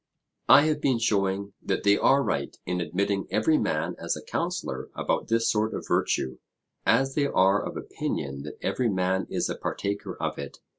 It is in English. I have been showing that they are right in admitting every man as a counsellor about this sort of virtue, as they are of opinion that every man is a partaker of it.